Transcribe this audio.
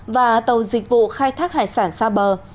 và tàu dịch vụ khai thác hải sản xa bờ